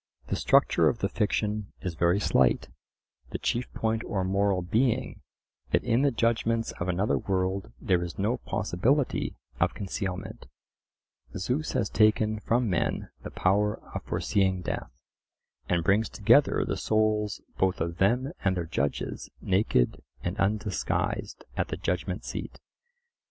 The structure of the fiction is very slight, the chief point or moral being that in the judgments of another world there is no possibility of concealment: Zeus has taken from men the power of foreseeing death, and brings together the souls both of them and their judges naked and undisguised at the judgment seat.